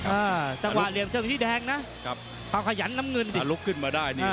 อ่าจังหวะเหลี่ยมเชิงชี้แดงนะครับเอาขยันน้ำเงินดิลุกขึ้นมาได้นี่